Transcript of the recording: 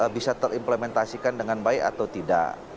bisa terimplementasikan dengan baik atau tidak